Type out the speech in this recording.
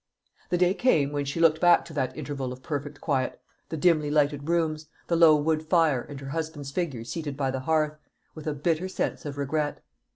The day came when she looked back to that interval of perfect quiet the dimly lighted rooms, the low wood fire, and her husband's figure seated by the hearth with a bitter sense of regret.